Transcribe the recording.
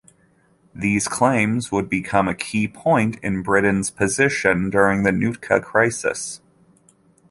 These claims would become a key point in Britain's position during the Nootka Crisis.